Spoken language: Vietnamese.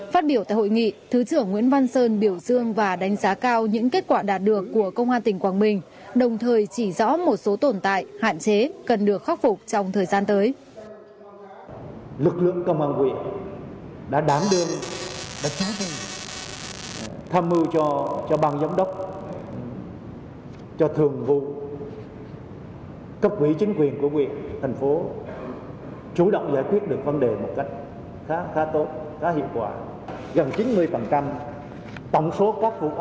phát biểu tại hội nghị thứ trưởng nguyễn văn sơn biểu dương và đánh giá cao những kết quả đạt được của công an tỉnh